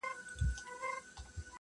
د هر چا چي وي په لاس کي تېره توره!.